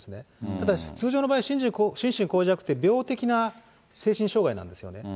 ただ普通の場合心神耗弱って、病的な精神障害なんですよね。